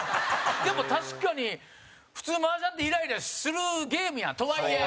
でも、確かに、普通、麻雀ってイライラするゲームやんとはいえ。